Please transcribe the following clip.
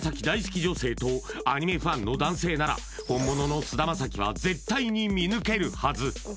大好き女性とアニメファンの男性なら本物の菅田将暉は絶対に見抜けるはず